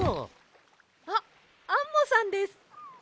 あっアンモさんです！